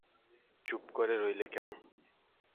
চুপ করে রইলে কেন।